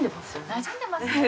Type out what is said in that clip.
なじんでますよね。